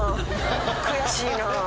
悔しいな。